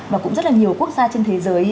và cũng rất là nhiều quốc gia trên thế giới